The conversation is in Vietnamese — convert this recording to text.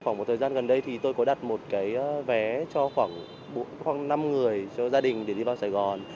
khoảng một thời gian gần đây tôi có đặt một vé cho khoảng năm người cho gia đình đi vào sài gòn